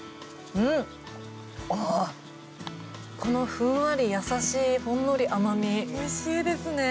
このふんわり優しいほんのり甘味、おいしいですね。